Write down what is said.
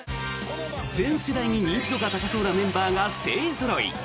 全世代に認知度が高そうなメンバーが勢ぞろい。